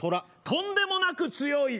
とんでもなく強い。